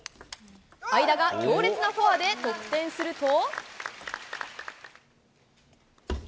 英田が強烈なフォアで得点すると。